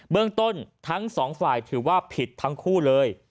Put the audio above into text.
เรื่องต้นทั้งสองฝ่ายถือว่าผิดทั้งคู่เลย